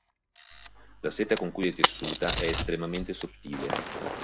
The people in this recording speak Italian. La seta con cui è tessuta è estremamente sottile.